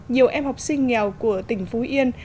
nhiều em học sinh nghèo của tỉnh phú yên